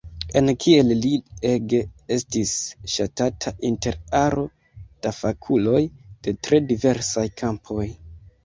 En Kiel li ege estis ŝatata inter aro da fakuloj de tre diversaj kampoj.